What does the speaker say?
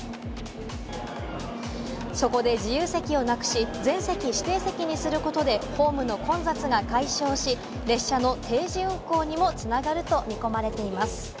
そこで自由席をなくし、全席指定席にすることで、ホームの混雑が解消し、列車の定時運行にも繋がると見込まれています。